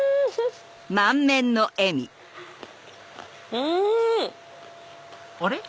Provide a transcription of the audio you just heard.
うん！あれ？